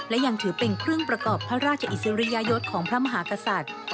และยังถือเป็นเครื่องประกอบพระราชอิสริยยศของพระมหากษัตริย์